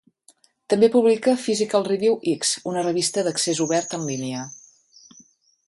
També publica "Physical Review X", una revista d'accés obert en línia.